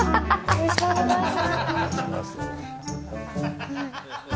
よろしくお願いします。